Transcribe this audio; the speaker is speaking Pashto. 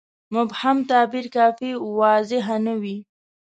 مبهم تعبیر کافي واضحه نه وي.